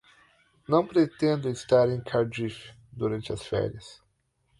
Não pretendo estar em Cardiff durante as férias.